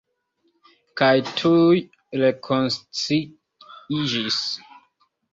Kaj tuj rekonsciiĝis.